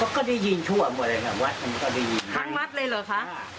ก็ได้ยินทั่วหมดเลยค่ะวัดมันก็ได้ยินทั้งวัดเลยเหรอคะ